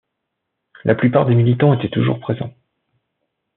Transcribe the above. La plupart des militants étaient toujours présents.